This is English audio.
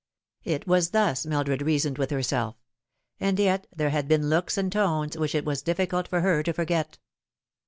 It was thus Mildred reasoned with herself ; and yet there had been looks and tones which it was difficult for her to forget.